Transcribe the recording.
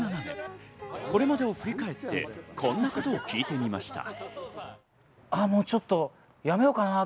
これまでを振り返って、こんなことを聞いてみました。